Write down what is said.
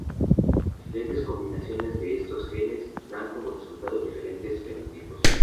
Diferentes combinaciones de estos genes dan como resultado diferentes fenotipos.